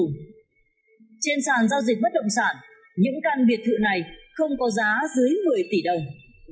trên sàn giao dịch bất động sản những căn biệt thự này không có giá dưới một mươi tỷ đồng